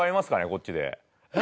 こっちで。